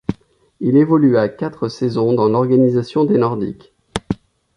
Il évolua quatre saisons dans l'organisation des Nordiques.